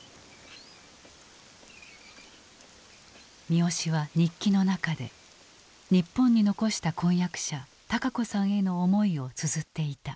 三好は日記の中で日本に残した婚約者孝子さんへの思いをつづっていた。